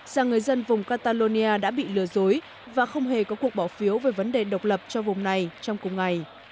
rằng người dân vùng catalonia đã bị lừa dối và không hề có cuộc bỏ phiếu về vấn đề độc lập cho vùng này trong cùng ngày